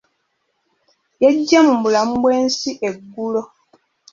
Yeggye mu bulamu bw'ensi eggulo.